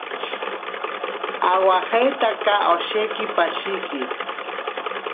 Awajeitaka osheki pashiki.